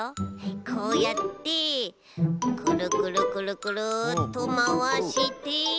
こうやってくるくるくるくるっとまわして。